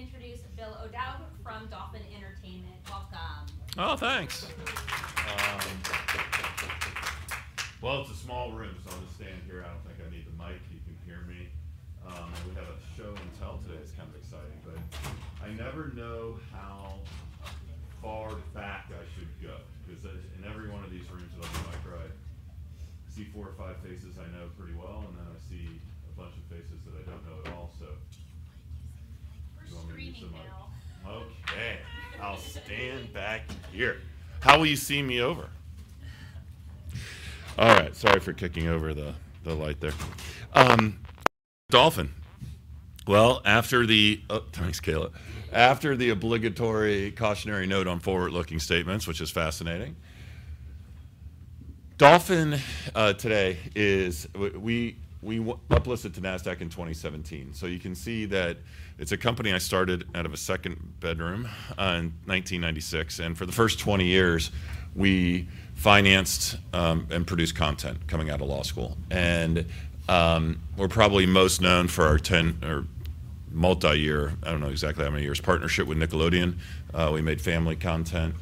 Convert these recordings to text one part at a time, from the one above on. Everyone, we're going to get started. I'd like to introduce Bill O'Dowd from Dolphin Entertainment. Welcome. Oh, thanks. Well, it's a small room, so I'm going to stand here. I don't think I need the mic. You can hear me. And we have a show and tell today. It's kind of exciting, but I never know how far back I should go, because in every one of these rooms that I'll be mic'd, right, I see four or five faces I know pretty well, and then I see a bunch of faces that I don't know at all, so. You might use the mic for screaming now. Okay. I'll stand back here. How will you see me over? All right. Sorry for kicking over the light there. Dolphin, well, after the, oh, thanks, Kayla. After the obligatory cautionary note on forward-looking statements, which is fascinating, Dolphin, today is, we, we uplisted to NASDAQ in 2017, so you can see that it's a company I started out of a second bedroom in 1996. And for the first 20 years, we financed, and produced content coming out of law school. And, we're probably most known for our 10- or multi-year, I don't know exactly how many years, partnership with Nickelodeon. We made family content,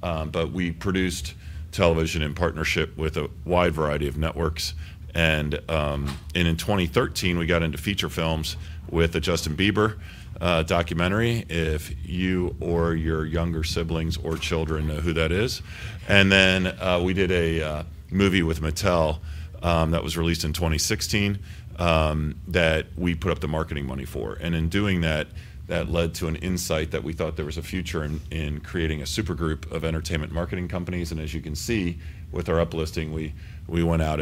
but we produced television in partnership with a wide variety of networks. And, and in 2013, we got into feature films with a Justin Bieber documentary, if you or your younger siblings or children know who that is. And then, we did a movie with Mattel, that was released in 2016, that we put up the marketing money for. And in doing that, that led to an insight that we thought there was a future in creating a super group of entertainment marketing companies. And as you can see with our uplisting, we went out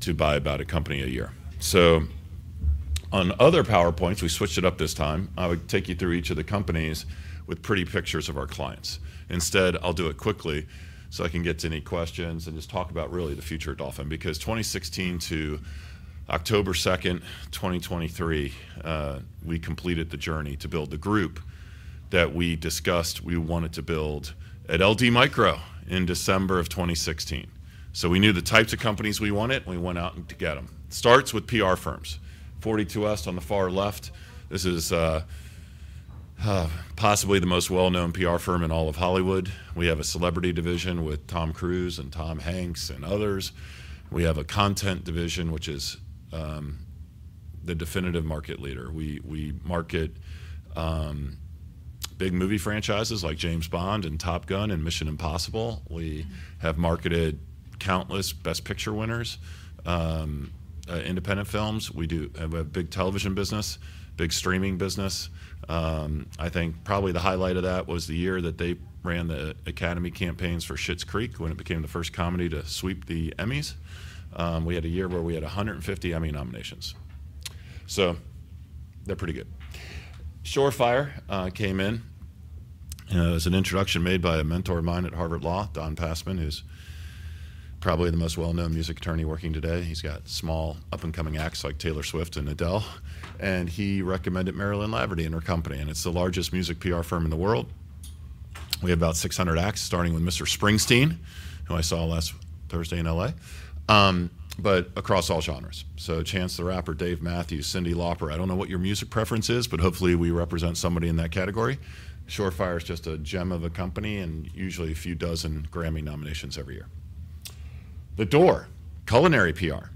to buy about a company a year. So on other PowerPoints, we switched it up this time. I would take you through each of the companies with pretty pictures of our clients. Instead, I'll do it quickly so I can get to any questions and just talk about, really, the future of Dolphin, because 2016 to October 2nd, 2023, we completed the journey to build the group that we discussed we wanted to build at LD Micro in December of 2016. So we knew the types of companies we wanted, and we went out and got them. It starts with PR firms. 42West on the far left, this is possibly the most well-known PR firm in all of Hollywood. We have a celebrity division with Tom Cruise and Tom Hanks and others. We have a content division, which is the definitive market leader. We market big movie franchises like James Bond and Top Gun and Mission: Impossible. We have marketed countless Best Picture winners, independent films. We do, and we have big television business, big streaming business. I think probably the highlight of that was the year that they ran the Academy campaigns for Schitt's Creek when it became the first comedy to sweep the Emmys. We had a year where we had 150 Emmy nominations. So they're pretty good. Shore Fire came in. It was an introduction made by a mentor of mine at Harvard Law, Don Passman, who's probably the most well-known music attorney working today. He's got small up-and-coming acts like Taylor Swift and Adele, and he recommended Marilyn Laverty and her company, and it's the largest music PR firm in the world. We have about 600 acts, starting with Mr. Springsteen, who I saw last Thursday in LA, but across all genres. So Chance the Rapper, Dave Matthews, Cyndi Lauper—I don't know what your music preference is, but hopefully we represent somebody in that category. Shore Fire is just a gem of a company and usually a few dozen Grammy nominations every year. The Door, culinary PR.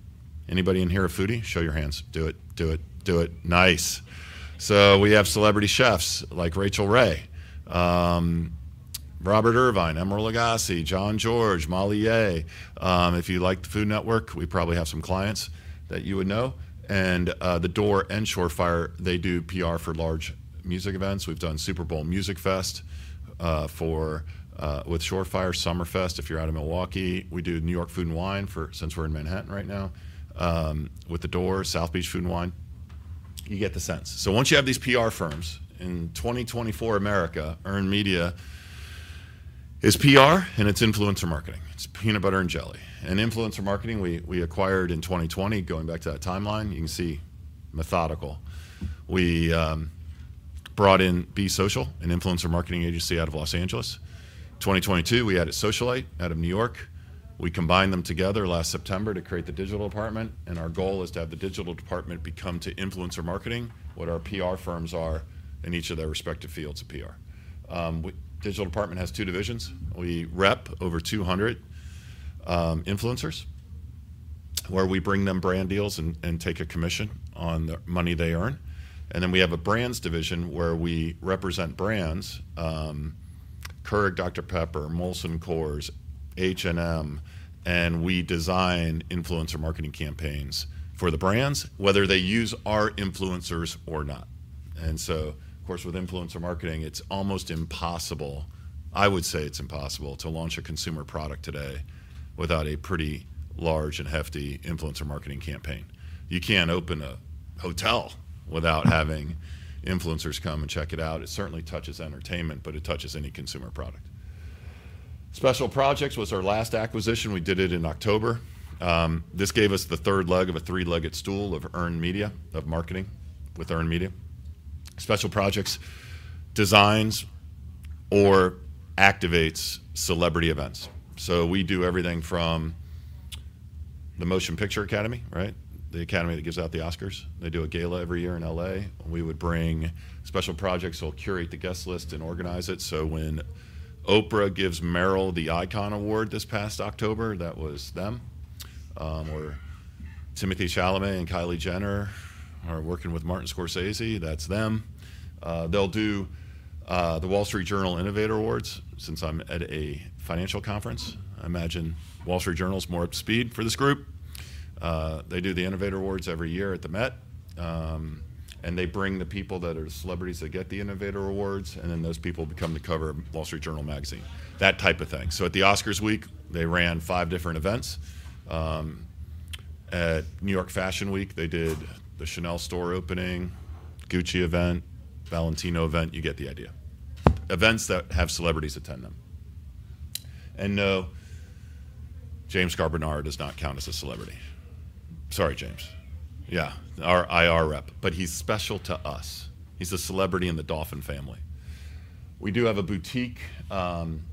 Anybody in here a foodie? Show your hands. Do it. Do it. Do it. Nice. So we have celebrity chefs like Rachael Ray, Robert Irvine, Emeril Lagasse, Jean-Georges, Molly Yeh. If you like the Food Network, we probably have some clients that you would know. The Door and Shore Fire, they do PR for large music events. We've done Super Bowl Music Fest, for, with Shore Fire, Summerfest, if you're out of Milwaukee. We do New York Food and Wine for, since we're in Manhattan right now, with The Door, South Beach Food and Wine. You get the sense. So once you have these PR firms, in 2024, America, Earned Media is PR and it's influencer marketing. It's peanut butter and jelly. And influencer marketing, we, we acquired in 2020, going back to that timeline. You can see methodical. We, brought in Be Social, an influencer marketing agency out of Los Angeles. 2022, we added Socialyte out of New York. We combined them together last September to create The Digital Department, and our goal is to have The Digital Department become to influencer marketing what our PR firms are in each of their respective fields of PR. The Digital Department has two divisions. We rep over 200 influencers, where we bring them brand deals and, and take a commission on the money they earn. And then we have a brands division where we represent brands, Keurig Dr Pepper, Molson Coors, H&M, and we design influencer marketing campaigns for the brands, whether they use our influencers or not. And so, of course, with influencer marketing, it's almost impossible. I would say it's impossible to launch a consumer product today without a pretty large and hefty influencer marketing campaign. You can't open a hotel without having influencers come and check it out. It certainly touches entertainment, but it touches any consumer product. Special Projects was our last acquisition. We did it in October. This gave us the third leg of a three-legged stool of Earned Media, of marketing with Earned Media. Special Projects designs or activates celebrity events. So we do everything from the Motion Picture Academy, right, the Academy that gives out the Oscars. They do a gala every year in L.A. We would bring Special Projects. They'll curate the guest list and organize it. So when Oprah gives Meryl the Icon Award this past October, that was them. Or Timothée Chalamet and Kylie Jenner are working with Martin Scorsese. That's them. They'll do the Wall Street Journal Innovator Awards. Since I'm at a financial conference, I imagine Wall Street Journal's more up to speed for this group. They do the Innovator Awards every year at the Met, and they bring the people that are the celebrities that get the Innovator Awards, and then those people become the cover of Wall Street Journal magazine, that type of thing. So at the Oscars Week, they ran five different events. At New York Fashion Week, they did the Chanel store opening, Gucci event, Valentino event. You get the idea. Events that have celebrities attend them. And no, James Carbonara does not count as a celebrity. Sorry, James. Yeah. Our IR rep. But he's special to us. He's a celebrity in the Dolphin family. We do have a boutique.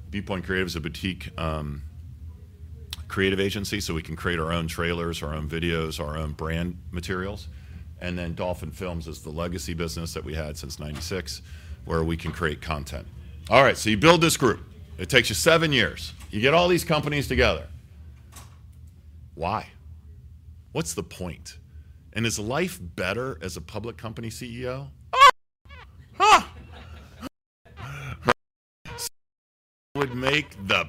Viewpoint Creative is a boutique, creative agency, so we can create our own trailers, our own videos, our own brand materials. And then Dolphin Films is the legacy business that we had since 1996, where we can create content. All right. So you build this group. It takes you seven years. You get all these companies together. Why? What's the point? And is life better as a public company CEO? Would make the.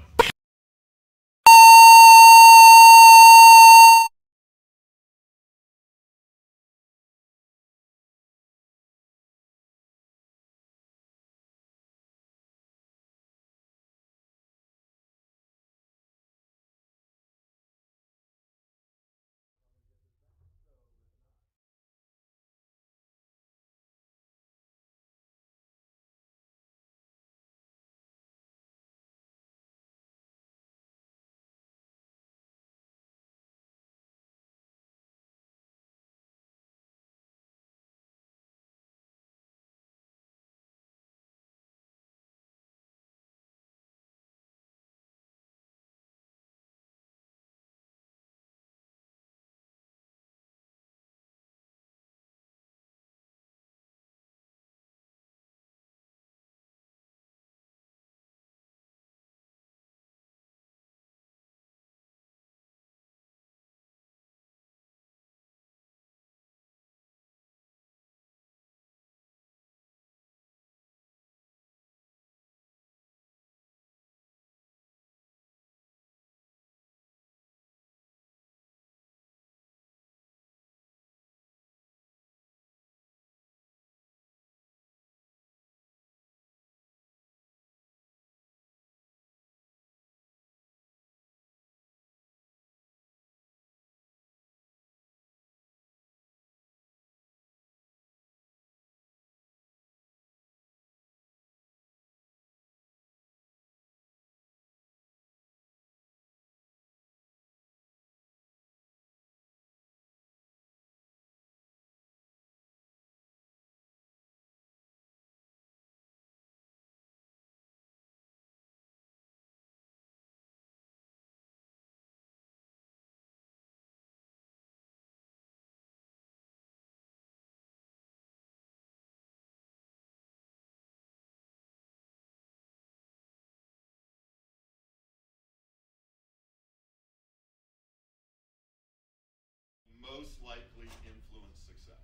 Most likely influence success.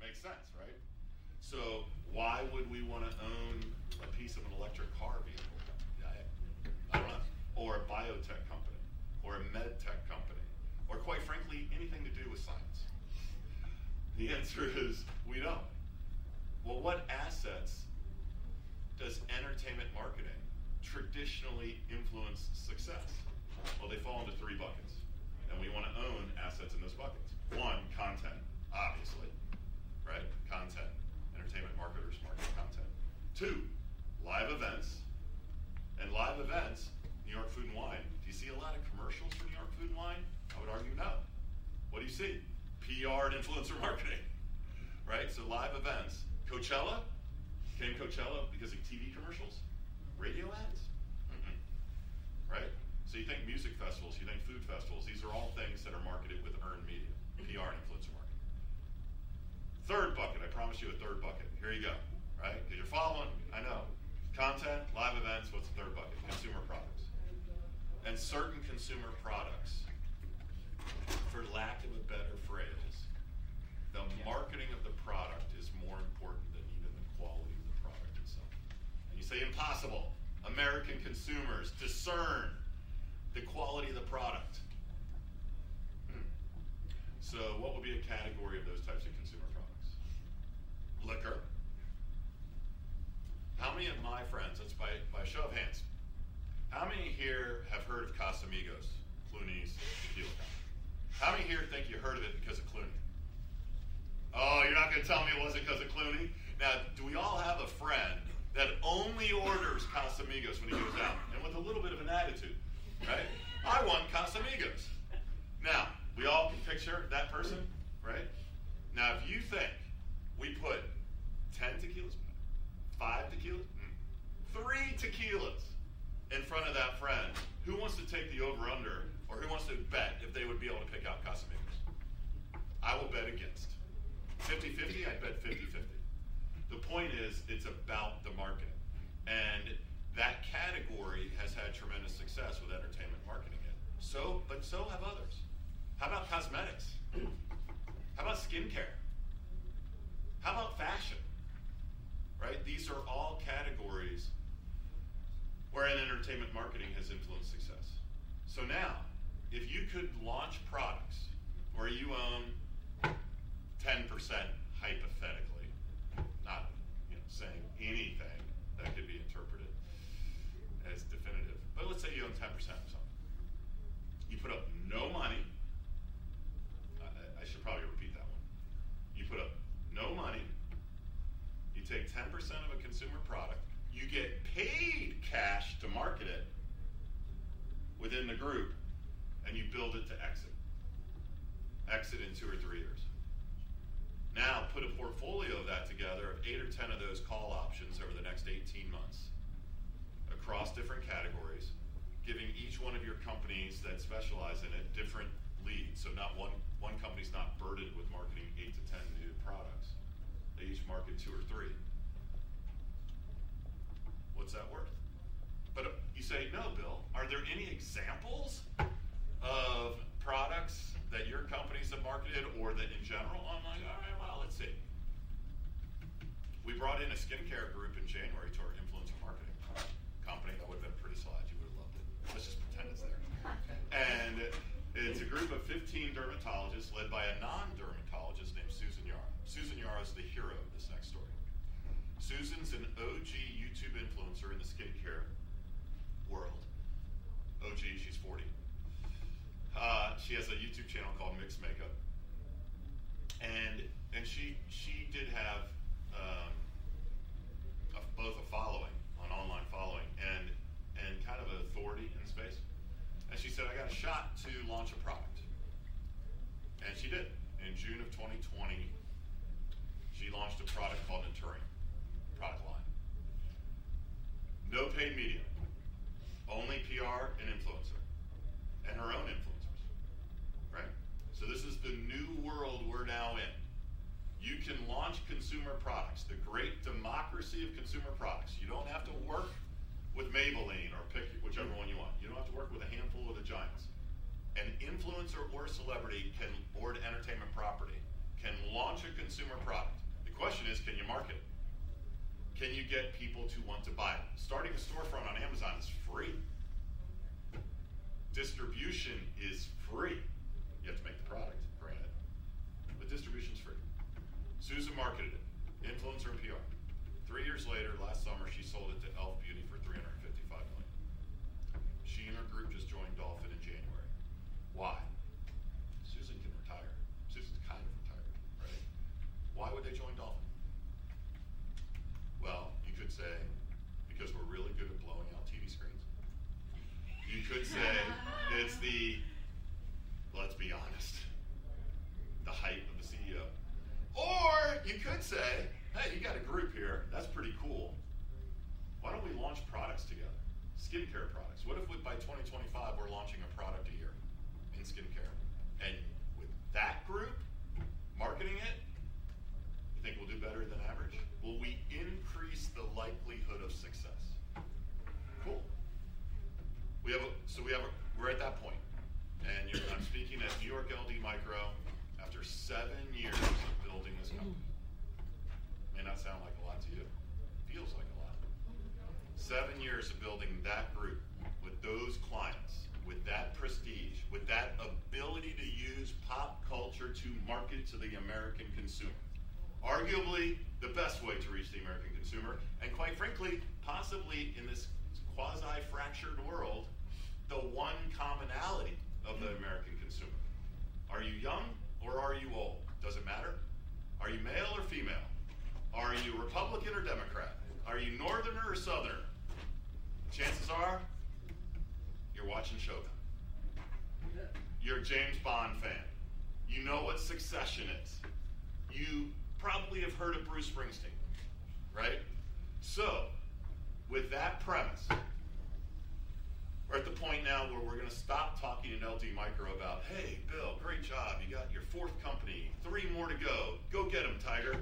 Makes sense, right? So why would we want to own a piece of an electric car vehicle? Yeah, I don't know. Or a biotech company, or a medtech company, or quite frankly, anything to do with science. The answer is we don't. Well, what assets does entertainment marketing traditionally influence success? Well, they for lack of a better phrase, the marketing of the product is more important than even the quality of the product itself. And you say impossible. American consumers discern the quality of the product. So what would be a category of those types of consumer products? Liquor. How many of my friends - let's by, by show of hands - how many here have heard of Casamigos, How many here think you heard of it because of Clooney? Oh, you're not going to tell me it wasn't because of Clooney? Now, do we all have a friend that only orders Casamigos when he goes out and with a little bit of an attitude, right? "I want Casamigos." Now, we all can picture that person, right? Now, if you think we put 10 tequilas, five tequilas, three tequilas in front of that friend, who wants to take the over/under, or who wants to bet if they would be able to pick out Casamigos? I will bet against. 50/50? I'd bet 50/50. The point is it's about the market, and that category has had tremendous success with entertainment marketing it. So but so have others. How about cosmetics? How about skincare? How about fashion, right? These are all categories wherein entertainment marketing has influenced success. So now, if you could launch products where you own 10% hypothetically, not saying anything that could be interpreted as definitive, but let's say you own 10% of something. You put up no money. I, I should probably repeat that one. You put up no money. You take 10% of a consumer product. You get paid cash to market it within the group, and you build it to exit. Exit in two or three years. Now, put a portfolio of that together of eight or 10 of those call options over the next 18 months across different categories, giving each one of your companies that specialize in it different leads. So not one, one company's not burdened with marketing eight to 10 new products. They each market two or three. What's that worth? But you say, "No, Bill. Are there any examples of products that your companies have marketed or that in general I'm like, 'All right. Well, let's see.'" We brought in a skincare group in January to our influencer marketing company. That would have been a pretty slide. You would have loved it. Let's just pretend it's there. And it's a group of 15 dermatologists led by a non-dermatologist named Susan Yara. Susan Yara is the hero of this next story. Susan's an OG YouTube influencer in the skincare world. OG. She's 40. She has a YouTube channel called Mixed Makeup. And she did have both a following, an online following, and kind of an authority in the space. And she said, "I got a shot to launch a product." And she did. In June of 2020, she launched a product called Naturium, product line. No paid media. Only PR and influencer and her own influencers, right? So this is the new world we're now in. You can launch consumer products, the great democracy of consumer products. You don't have to work with Maybelline or pick whichever one you want. You don't have to work with a handful of the giants. An influencer or celebrity can or entertainment property can launch a consumer product. The question is, can you market it? Can you get people to want to buy it? Starting a storefront on Amazon is free. Distribution is free. You have to make the product, granted. But distribution's free. Susan marketed it. Influencer and PR. Three years later, last summer, she sold it to e.l.f. Beauty for $355 million. She and her group just joined Dolphin in January. Why? Susan can retire. Susan's kind of retired, right? Why would they join Dolphin? Well, you could say, "Because we're really good at blowing out TV screens." You could say, "It's the, let's be honest, the hype of the CEO." Or you could say, "Hey, you got a group here. That's pretty cool. Why don't we launch products together? Skincare products. What if by 2025, we're launching a product a year in skincare, and with that group marketing it, you think we'll do better than average? Will we increase the likelihood of success?" Cool. We're at that point. And I'm speaking at New York LD Micro after seven years of building this company. May not sound like a lot to you. Feels like a lot. Seven years of building that group with those clients, with that prestige, with that ability to use pop culture to market to the American consumer, arguably the best way to reach the American consumer, and quite frankly, possibly in this quasi-fractured world, the one commonality of the American consumer. Are you young or are you old? Does it matter? Are you male or female? Are you Republican or Democrat? Are you Northerner or Southerner? Chances are you're watching Showtime. You're a James Bond fan. You know what Succession is. You probably have heard of Bruce Springsteen, right? So with that premise, we're at the point now where we're going to stop talking at LD Micro about, "Hey, Bill. Great job. You got your fourth company. Three more to go. Go get them, Tiger."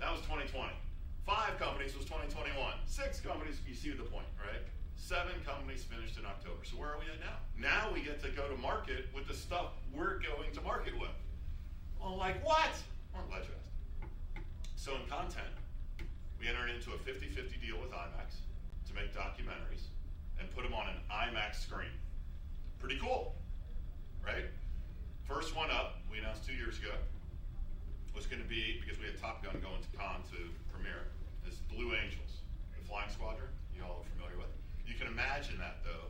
That was 2020. Five companies was 2021. Six companies. You see the point, right? Seven companies finished in October. So where are we at now? Now we get to go to market with the stuff we're going to market with. I'm like, "What?" I'm glad you asked. So in content, we entered into a 50/50 deal with IMAX to make documentaries and put them on an IMAX screen. Pretty cool, right? First one up, we announced two years ago, was going to be because we had Top Gun going to Cannes to premiere, is Blue Angels, the Flying Squadron. You all are familiar with. You can imagine that, though,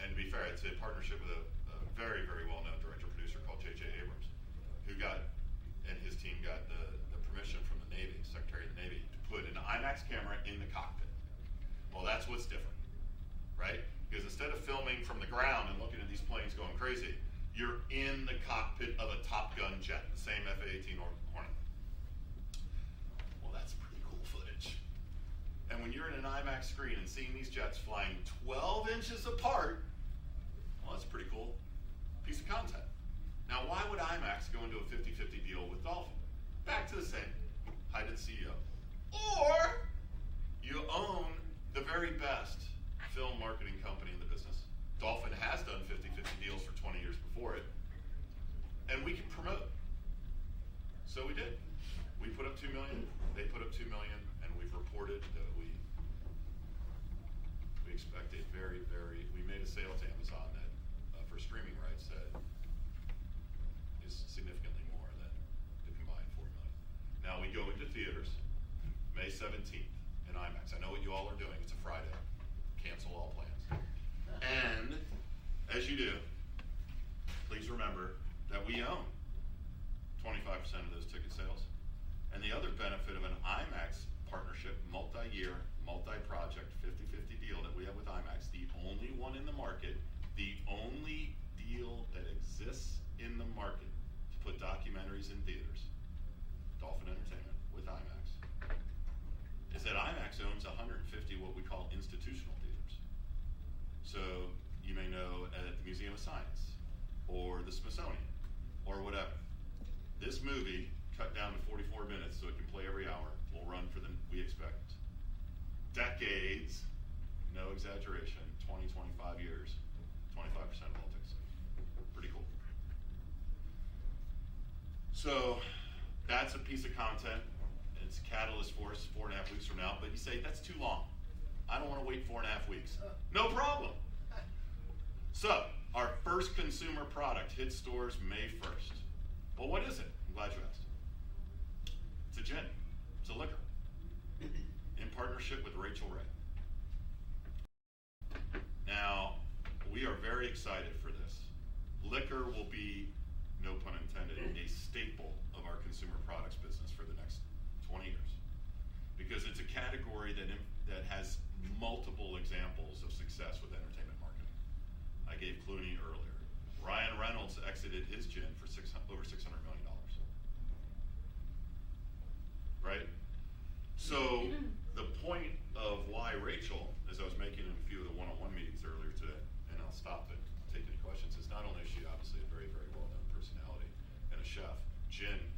and to be fair, it's a partnership with a very, very well-known director/producer called J.J. Abrams, who and his team got the permission from the Navy, Secretary of the Navy, to put an IMAX camera in the cockpit. Well, that's what's different, right? Because instead of filming from the ground and looking at these planes going crazy, you're in the cockpit of a Top Gun jet, the same F-18 or Hornet. Well, that's pretty cool footage. And when you're in an IMAX screen and seeing these jets flying 12 inches apart, well, that's a pretty cool piece of content. Now, why would IMAX go into a 50/50 deal with Dolphin? Back to the same. Hire the CEO. Or you own the very best film marketing company in the business. Dolphin has done 50/50 deals for 20 years before it, and we can promote. So we did. We put up $2 million. They put up $2 million. And we've reported that we expect a very, very we made a sale to Amazon that, for streaming rights said is significantly more than the combined $4 million. Now, we go into theaters May 17th in IMAX. I know what you all are doing. It's a Friday. Cancel all plans. And as you do, please remember that we own 25% of those ticket sales. And the other benefit of an IMAX partnership, multi-year, multi-project 50/50 deal that we have with IMAX, the only one in the market, the only deal that exists in the market to put documentaries in theaters, Dolphin Entertainment with IMAX, is that IMAX owns 150 what we call institutional theaters. So you may know at the Museum of Science or the Smithsonian or whatever. This movie, cut down to 44 minutes so it can play every hour, will run for the we expect decades, no exaggeration, 20, 25 years, 25% of all ticket sales. Pretty cool. So that's a piece of content. It's catalyst force four and a half weeks from now. But you say, "That's too long. I don't want to wait four and half weeks." No problem. So our first consumer product hits stores May 1st. Well, what is it? I'm glad you asked. It's a gin. It's a liquor in partnership with Rachael Ray. Now, we are very excited for this. Liquor will be, no pun intended, a staple of our consumer products business for the next 20 years because it's a category that has multiple examples of success with entertainment marketing. I gave Clooney earlier. Ryan Reynolds exited his gin for over $600 million, right? So the point of why Rachael as I was making in a few of the one-on-one meetings earlier today, and I'll stop and take any questions, is not only is she obviously a very, very well-known personality and a chef. Gin, as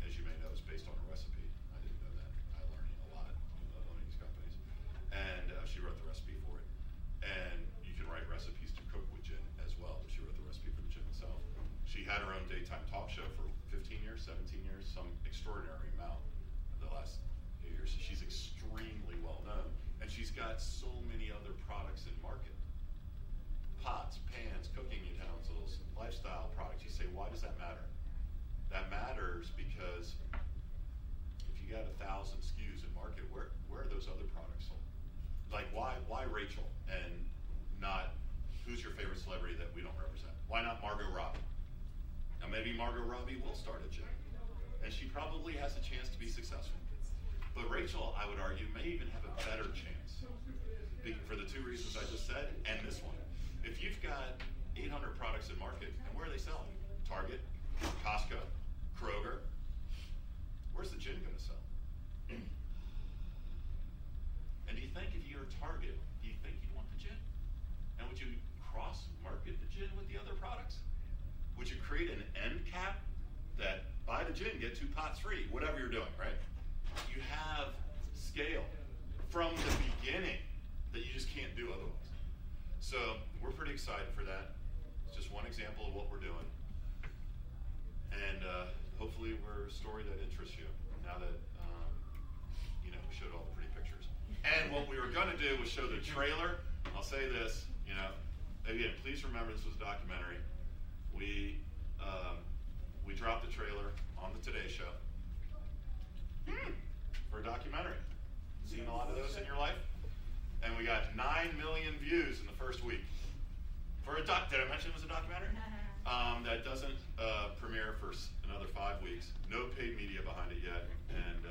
you may know, is based on a recipe. I didn't know that. I learned a lot owning these companies. And she wrote the recipe for it. And you can write recipes to cook with gin as well, but she wrote the recipe for the gin itself. She had her own daytime talk show for 15 years, 17 years, some extraordinary amount the last eight years. So she's extremely well-known. And she's got so many other products in market: pots, pans, cooking utensils, lifestyle products. You say, "Why does that matter?" That matters because if you got 1,000 SKUs in market, where, where are those other products sold? Like, why, why Rachael and not who's your favorite celebrity that we don't represent? Why not Margot Robbie? Now, maybe Margot Robbie will start a gin, and she probably has a chance to be successful. But Rachael, I would argue, may even have a better chance for the two reasons I just said and this one. If you've got 800 products in market, and where are they selling? Target, Costco, Kroger. Where's the gin going to sell? And do you think if you're Target, do you think you'd want the gin? And would you cross-market the gin with the other products? Would you create an end cap that, by the gin, get two pots free, whatever you're doing, right? You have scale from the beginning that you just can't do otherwise. So we're pretty excited for that. It's just one example of what we're doing. And, hopefully, we're a story that interests you now that, you know, we showed all the pretty pictures. And what we were going to do was show the trailer. I'll say this, you know, again, please remember this was a documentary. We dropped the trailer on the Today Show for a documentary. You've seen a lot of those in your life. And we got 9 million views in the first week for a documentary. Did I mention it was a documentary? That doesn't premiere for another five weeks. No paid media behind it yet. And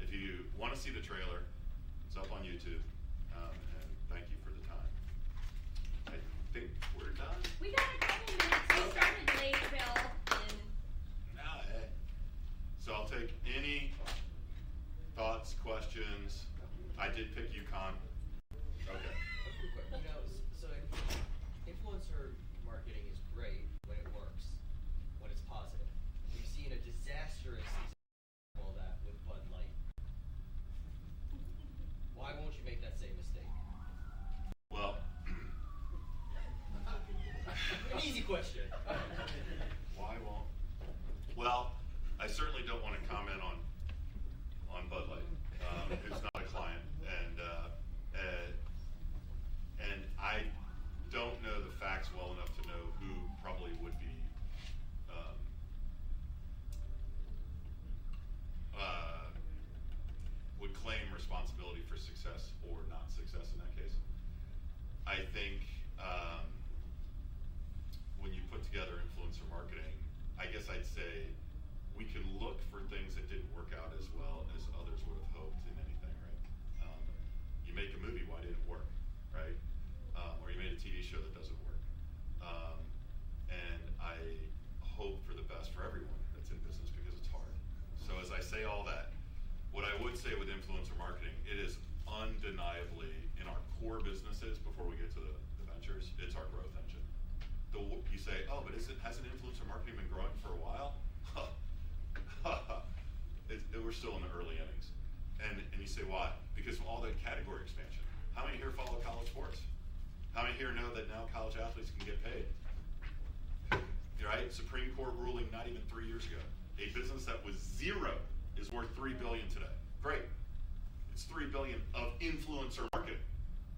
if you want to see the trailer, it's up on YouTube. And thank you for the time. I think we're done. We got a couple minutes. We started late, Bill. In. Nah. Hey. So I'll take any thoughts, questions. I did pick you, Con. Okay. A quick question. You know, so influencer marketing is great when it works, when it's positive. If you've seen a disastrous all that with Bud Light, why won't you make that same mistake? Well. An easy question. Why won't? Well, I certainly don't want to comment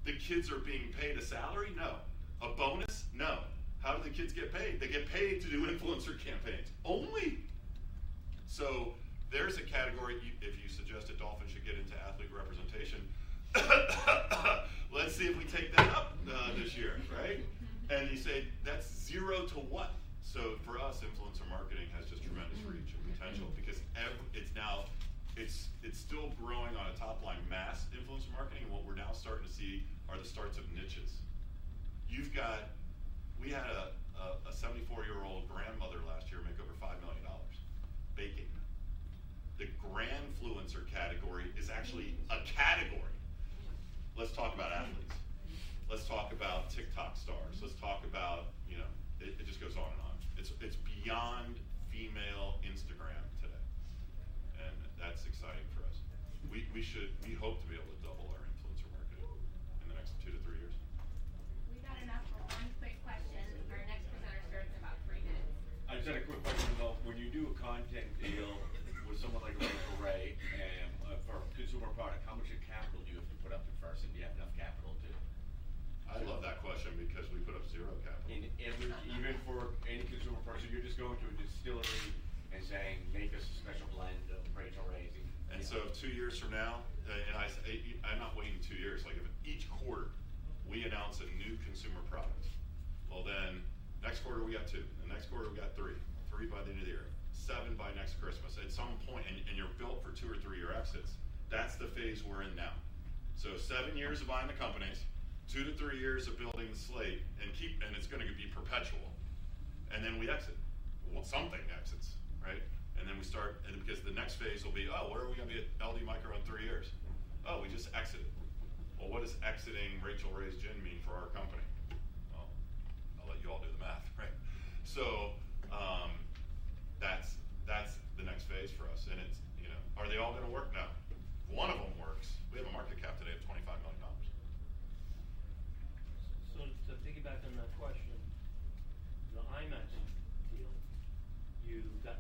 The kids are being paid a salary? No. A bonus? No. How do the kids get paid? They get paid to do influencer campaigns. Only. So there's a category you if you suggested Dolphin should get into athlete representation, let's see if we take that up this year, right? And you say, "That's zero to what?" So for us, influencer marketing has just tremendous reach and potential because it's now it's still growing on a top-line mass influencer marketing. And what we're now starting to see are the starts of niches. You've got we had a 74-year-old grandmother last year make over $5 million baking. The grandfluencer category is actually a category. Let's talk about athletes. Let's talk about TikTok stars. Let's talk about, you know, it just goes on and on. It's beyond female Instagram today. And that's exciting for us. We should hope to be able to double our influencer marketing in the next two to three years. We got enough for one quick question. Our next presenter starts in about three minutes. I just had a quick question, Bill. When you do a content deal with someone like Rachael Ray and a for a consumer product, how much of capital do you have to put up at first? And do you have enough capital to? I love that question because we put up zero capital. In every even for any consumer product. So you're just going to a distillery and saying, "Make us a special blend of Rachael Ray's and, and." And so two years from now and I say I'm not waiting two years. Like, if each quarter we announce a new consumer product, well, then next quarter, we got two. And next quarter, we got three. Three by the end of the year. Seven by next Christmas. At some point and, and you're built for two or three-year exits. That's the phase we're in now. So seven years of buying the companies, two to three years of building the slate, and keep and it's going to be perpetual. And then we exit. Well, something exits, right? And then we start and because the next phase will be, "Oh, where are we going to be at LD Micro in three years?" Oh, we just exited. Well, what does exiting Rachael Ray's gin mean for our company? Well, I'll let you all do the math, right? So, that's, that's the next phase for us. And it's, you know are they all going to work? No. One of them works. We have a market cap today of $25 million. So, so thinking back on that question, the IMAX deal, you got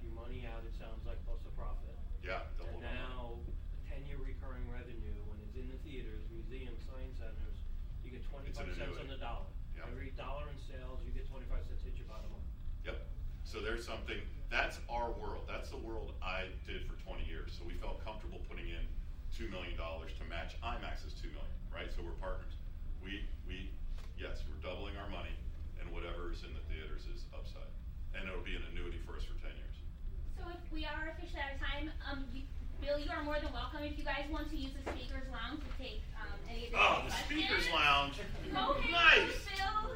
your money out, it sounds like, plus a profit. Yeah. Double profit. And now the 10-year recurring revenue, when it's in the theaters, museums, science centers, you get $0.25 on the dollar. Every dollar in sales, you get $0.25 hit your bottom line. Yep. So there's something that's our world. That's the world I did for 20 years. So we felt comfortable putting in $2 million to match IMAX's $2 million, right? So we're partners. We, we yes, we're doubling our money. And whatever's in the theaters is upside. And it'll be an annuity for us for 10 years. So if we are officially out of time, Bill, you are more than welcome if you guys want to use the speakers lounge to take any additional questions. Oh, the speakers lounge. Nice. Go ahead, Bill. Go answer.